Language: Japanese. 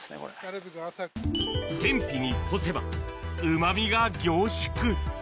天日に干せば、うまみが凝縮。